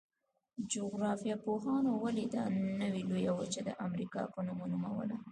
جغرافیه پوهانو ولې دا نوي لویه وچه د امریکا په نوم ونوموله؟